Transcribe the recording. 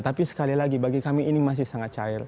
tapi sekali lagi bagi kami ini masih sangat cair